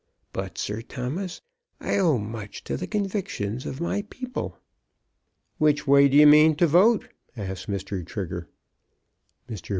But, Sir Thomas, I owe much to the convictions of my people." "Which way do you mean to vote?" asked Mr. Trigger. Mr.